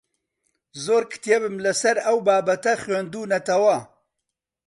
زۆر کتێبم لەسەر ئەو بابەتە خوێندوونەتەوە.